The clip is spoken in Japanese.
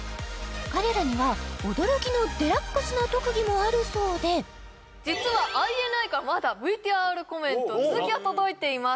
彼らには驚きのデラックスな特技もあるそうで実はＩＮＩからまだＶＴＲコメント続きが届いています